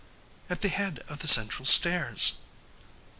"At the head of the central stairs."